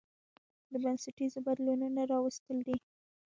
د بنسټيزو بدلونونو راوستل دي